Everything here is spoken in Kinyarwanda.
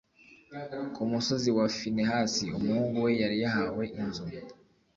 ku musozi wa Finehasi umuhungu we yari yarahawe inzu